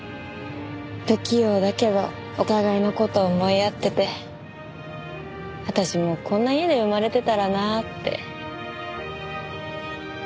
不器用だけどお互いの事を思い合ってて私もこんな家に生まれてたらなって。